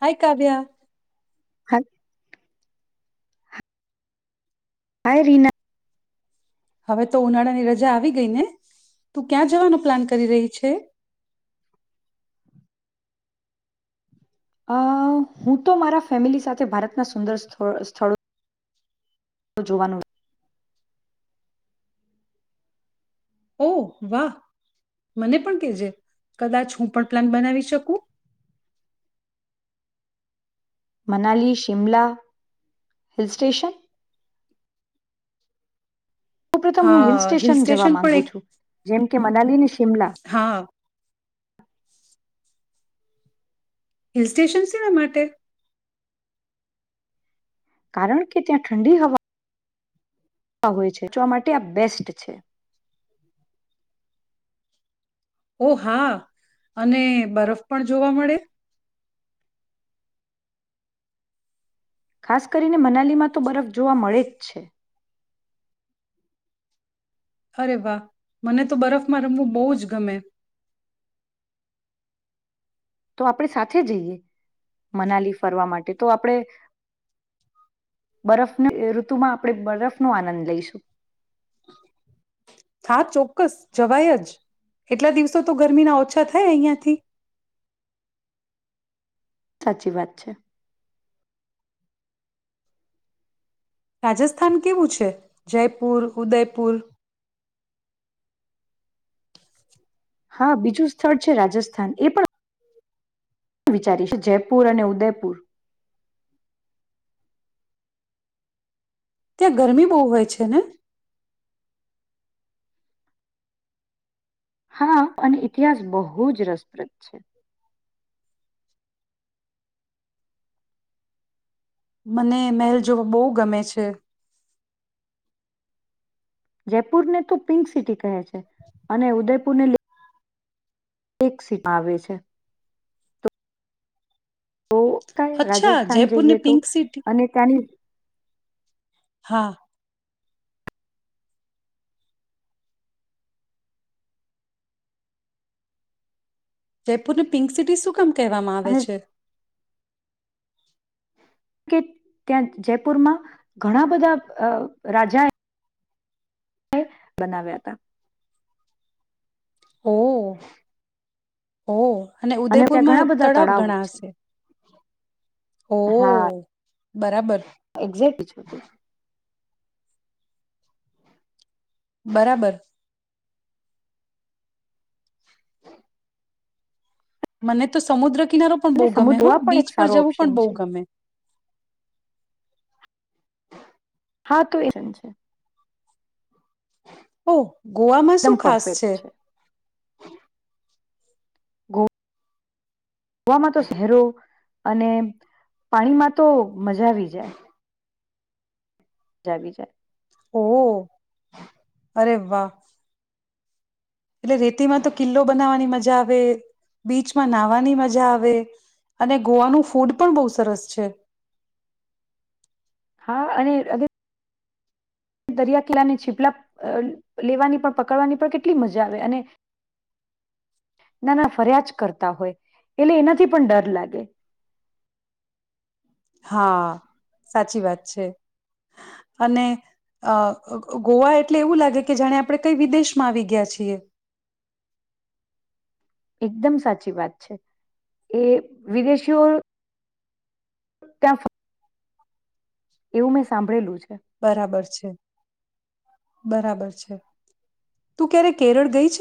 હાય કાવ્યા હા હાય રીના હવે તો ઉનાળાની રજા આવી ગઈ ને તું ક્યાં જવાનો પ્લાન કરી રહી છે અ હું તો મારા ફેમિલી સાથે ભારતના સુંદર સ્થ સ્થળો તો જોવાનું ઓ વાહ મને પણ કેજે કદાચ હું પણ પ્લાન બનાવી શકું મનાલી શિમલા હિલસ્ટ્ટેશન સૌ પ્રથમ હું હિલ હા સ્ટેશન જવા પણ માંગુ એક છું જેમ કે મનાલી ની હા હિલ સ્ટેશન શેના માટે કારણ કે ત્યાં ઠંડી હવા હોય છે જો આ માટે આ બેસ્ટ છે ઓ હા અને બરફ પણ જોવા મળે ખાસ કરીને મનાલીમાં તો બરફ જોવા મળે જ છે અરે વાહ મને તો બરફમાં રમવું બહુ જ ગમે. તો આપણે સાથે જઈએ મનાલી ફરવા માટે તો આપણે બરફની ઋતુમાં આપણે બરફ નો આનંદ લઈશું. હા ચોક્કસ જવાય જ એટલા દિવસો તો ગરમીના ઓછા થાય અહિયાંથી. સાચી વાત છે. રાજસ્થાન કેવું છે જયપુર ઉદયપુર હા બીજું સ્થળ છે રાજસ્થાન એ પણ વિચારી છે જયપુર અને ઉદયપુર. ત્યાં ગરમી બહુ હોય છે ને. હા અને ઇતિહાસ બહુ જ રસપ્રદ છે. મને મહેલ જોવા બો ગમે છે. જયપુર ને તો પિંક સિટી કહે છે. અને ઉદયપુર ને લ લેક સીમાં આવે છે તો તો કઈ અચ્છા રાજસ્થાન જયપુરને જઈએ તો પિંક સિટી અને ત્યાંની હા જયપુરને પિંક સિટી શું કામ કહેવામાં આવે અને છે. કે ત્યાં જયપુરમાં ઘણા બધા રાજાએ [unintelligible] બનાવ્યા હતા. ઓ ઓ. અને ત્યાં ઘણા ઉદયપુરમાં બધા તળાવ તળાવો ઘણા છે. હશે ઓ. હા બરાબર એક્ઝેક્ટ છે તું બરાબર મને તો સમુદ્ર કિનારો પણ બો અને ગમે સમુદ્ર હ ગોવા પણ બીચ એક પર સારો જવું પણ ઓપ્શન બો છે. ગમે. હા તો એ છે. ઓ ગોવામાં એકદમ શું ખાસ છે. પરફેક્ટ ગો ગોવામાં તો શહેરો અને પાણીમાં તો મજા આવી જાય. જા આવી જાય ઓહ અરે વાહ. એટલે રેતીમાં તો કિલ્લો બનાવવાની મજા આવે બીચમાં નાહવાની મજા આવે અને ગોવાનું ફૂડ પણ બહુ સરસ છે. હા અને દરિયા કિલા ને છીપલા લેવાની પણ પકડવાની પણ કેટલી મજા આવે અને નાના ફરિયાજ કરતા હોય એટલે એનાથી પણ ડર લાગે. હા સાચી વાત છે અને અ ગોવા એટલે એવું લાગે કે જાણે આપણે કઈ વિદેશમાં આવી ગયા છીએ. એકદમ સાચી વાત છે એ વિદેશીઓ ત્યાં એવું મેં સાંભળેલું છે. બરાબર છે. બરાબર છે તું ક્યારેક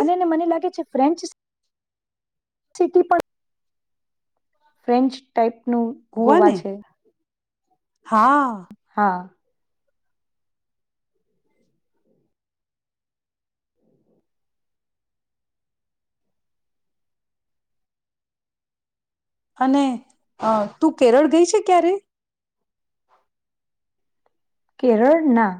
અનેને મને લાગે છે ફ્રેન્ચ સિટી પણ ફ્રેન્ચ ટાઈપ નું ગોવા છે. [inaudible] હા. હા અને અ તું કેરળ ગઈ છે ક્યારે. કેરળ ના.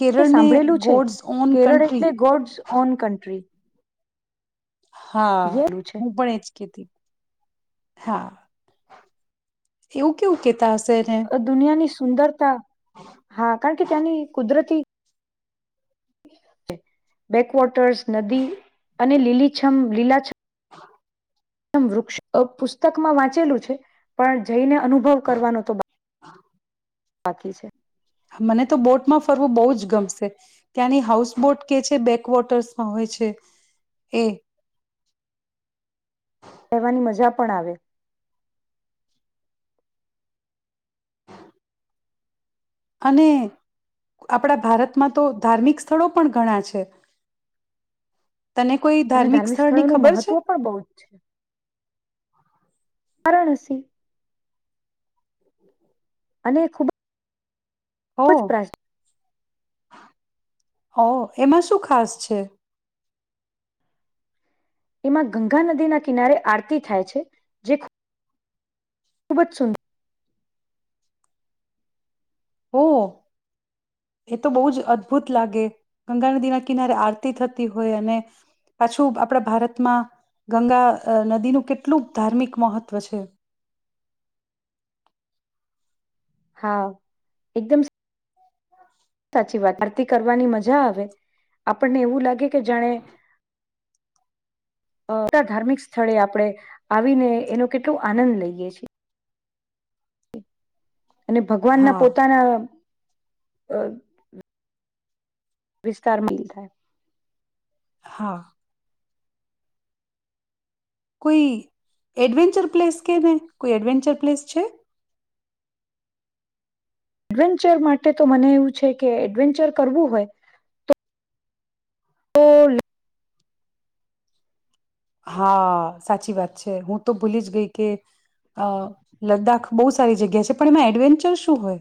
કેરળને સાંભળેલું છે ગોડ્સ ઓન કેરળ કન્ટ્રી એટલે ગોડ્સ ઓન કન્ટ્રી. હા યેલું છે હું પણ એજે કેતી હા. એવું કેવું કે કેતાં હશે ને દુનિયાની સુંદરતા. હા કારણ કે ત્યાંની કુદરતી. બેકવોટર્સ નદી અને લીલીછમ લીલાછમ. મ વૃક્ષ પુસ્તકમાં વાંચેલું છે પણ જઈને. અનુભવ કરવાનો તો બા બાકી છે મને તો બોટમાં ફરવું બો જ ગમશે ત્યાંની હાઉસ બોટ કે છે બેકવોટર્સમાં હોય છે એ. કવાની મજા પણ આવે. અને આપણા ભારતમાં તો ધાર્મિક સ્થળો પણ ઘણા છે. તને કોઈ અને ધાર્મિક સ્થળની સ્થળોનું ખબર છે મહત્વ પણ બહુ જ છે. વરાણસી. અને ખૂબ ઓ છે [unintelligible] ઓ એમાં શું ખાસ છે. એમાં ગંગા નદીના કિનારે આરતી થાય છે જે ખુ ખૂબ જ સુંદર. હો એ તો બહુ જ અદભુત લાગે ગંગા નદીના કિનારે આરતી થતી હોય અને પાછું આપણા ભારતમાં ગંગા નદીનું કેટલું ધાર્મિક મહત્વ છે. હા એકદમ. સાચી વાત આરતી કરવાની મજા આવે આપણને એવું લાગે કે જાણે અ ધાર્મિક સ્થળે આપણે આવીને એનો કેટલુ આનંદ લઈએ છીએ. અને ભગવાન ના હા પોતાના. અ. વિસ્તાર મા દેખાય હા. કોઈ એડવેન્ચર પ્લેસ કે ને કોઈ એડવેન્ચર પ્લેસ છે. એડવેન્ચર માટે તો મને એવું છે કે એડવેન્ચર કરવું હોય તો. ઓલ. હા સાચી વાત છે હું તો ભૂલી જ ગઈ કે અ લદ્દાખ બહુ સારી જગ્યા છે પણ એમાં એડવેન્ચર શું હોય.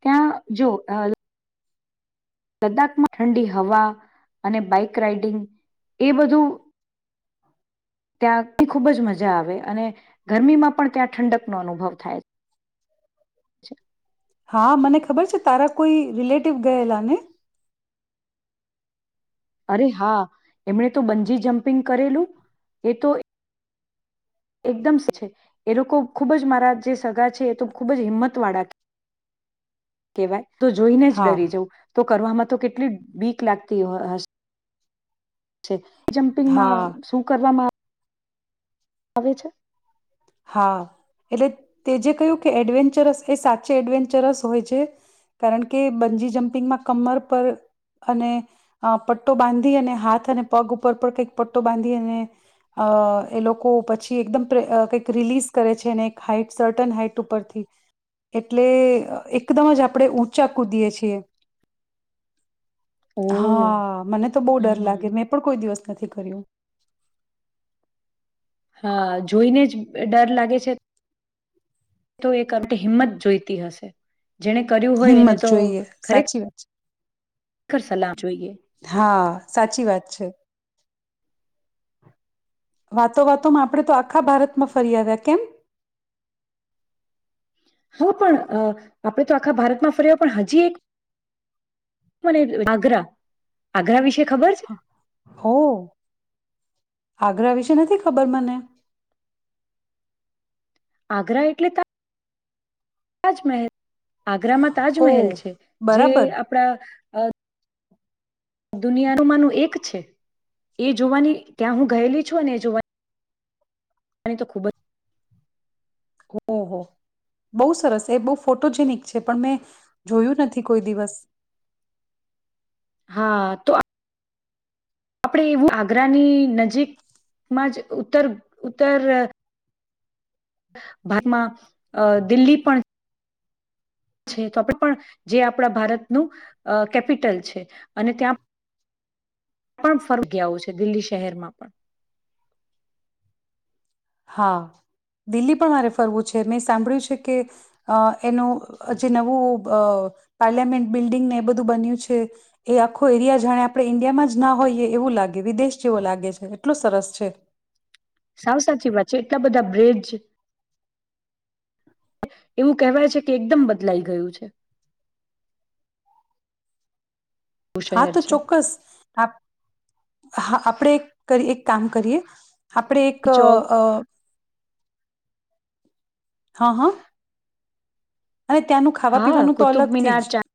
ત્યાં જો. લદ્દાખમાં ઠંડી હવા અને બાઈક રાઈડિંગ એ બધું. ત્યાં ખૂબ જ મજા આવે અને ગરમીમાં પણ ત્યાં ઠંડકનો અનુભવ થાય. છે. હા મને ખબર છે, તારા કોઈ રિલેટિવ ગયેલને અરે હા એમણે તો બંજી જમ્પિંગ કરેલું એ તો એકદમ છે એ લોકો ખુબ જ મારા જે સગા છે એ તો ખૂબ જ હિંમત વાળા કેહેવાય હું તો જોઈને જ હા ડરી જવ તો કરવામાં તો કેટલી બીક લાગતી હ હશે છે જમ્પિંગમાં હા શું કરવામાં આ આવે છે. હા એટલે તે જે કહ્યું કે એડવેન્ચરસ એ સાચે એડવેન્ચરસ હોય છે, કારણ કે બંજી જમ્પિંગમાં કમર પર અને પટ્ટો બાંધી અને હાથ અને પગ ઉપર પણ કંઈક પટ્ટો બાંધી અને અ એ લોકો પછી એકદમ પ કઈક રિલેસ કરે છે અને એક હાઈટ સર્ટન હાઈટ ઉપથી એટલે એકદમ જ આપણે ઉચા કૂદીએ છે. ઓહ હા મને તો બો ડર હમ લાગે મેં પણ કોઈ દિવસ નથી કર્યું હા જોઈને જ ડર લાગે છે. તો એક [unintelligible] હિંમત જોઈતી હશે. જેને કર્યું હોય એને હિંમત તો જોઈએ ખરેખર સાચી વાત છે. સલાહ જોઈએ [unintelligible] હા સાચી વાત છે. [unintelligible] વાતો વાતોમાં આપણે તો આખા ભારતમાં ફરી આવ્યા કેમ? હુ પણ આપણે તો આખા ભારતમાં ફર્યા. પણ હજી [unintelligible] એક મને આગ્રા, આગ્રા વિશે ખબર છે હા! હો આગ્રા વિશે નથી ખબર મને આગ્રા એટલે [unintelligible] તાજ મહેલ. આગ્રામાં ઓ તાજમહેલ છે, જે બરાબર આપણા [inaudible] દુનિયાનું માનું એક છે, એ જોવાની ત્યાં હું ગયેલી છુ ને એ જોવાની તો ખૂબ જ ઓહ બહુ સરસ! એ બહુ ફોટોજેનિક છે, પણ મેં જોયું નથી કોઈ દિવસ. હા તો [unintelligible] આપડે એવું આગ્રાની નજીકમાં જ ઉત્તર ઉત્તર [unintelligible] ભાગતમાં દિલ્હી પણ છે, તો આપણે પણ જે, આપણા ભારતનું કેપિટલ છે, અને ત્યાં પણ [unintelligible] છે, દિલ્હી શહેરમાં પણ હા દિલ્હી પણ મારે ફરવું છે. મેં સાંભળ્યું છે, કે એનું જે નવું પાર્લામેન્ટ બિલ્ડિંગને એ બધું બન્યું છે. એ આખો એરિયા જાણે આપણે ઈન્ડિયામાં જ ના હોઈએ એવું લાગે વિદેશ જેવો લાગે છે. એટલો સરસ છે. સાવ સાચી વાત છે, એટલા બધા બ્રિજ એવું કહેવાય છે, કે એકદમ બદલાઈ ગયું છે. હા શહેર તો છે ચોક્કસ [unintelligible] આપ હા! આપણે કરી, એક કામ કરીએ. આપડ એક અ ચોક હ હ! હા કુતુબમિનાર, ચાંદ [unintelligible]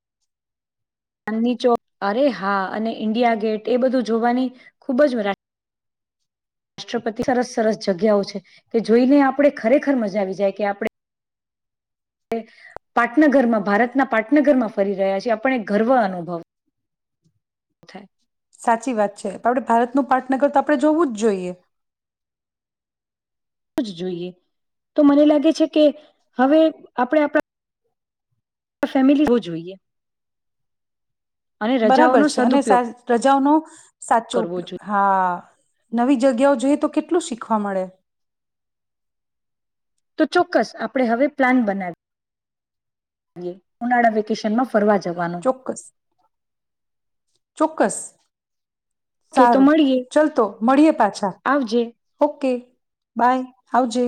ચાંદની ચોક અરે હા અને ઈન્ડિયા ગેટ એ બધું જોવાની ખૂબ જ, [unintelligible] રાષ્ટ્રપતિ સરસ સરસ જગ્યાઓ છે, કે જોઈને આપણે ખરેખર મજા આવી જાય કે આપડે પાટનગરમાં ભારતના પાટનગરમાં ફરી રહ્યા છેીએ. આપણ એક ગર્વ અનુભવ સાચી વાત છે, ભારતનું પાટનગર તો આપણે જોવું જ જોઈએ. જ જોઈએ. તો મને લાગે છે, કે હવે આપણે આપણા આ ફેમિલી હોવું જોઈએ. અને બરાબર રજાઓનો છે અને સા સદઉપયોગ રજાઓનો સાચો કરવો ઉપયોગ. જોઈએ હા! નવી જગ્યાઓ જઈએ તો કેટલું શીખવા મળે.? તો, ચોક્કસ આપણે હવે પ્લાન બનાવી. ઉનાળા વેકેશન મા ચોક્કસ! ચોક્કસ કે તો સારું! મળીએ ચાલ તો મળીએે પાછા, આવજે ઓકે બાય. આવજે!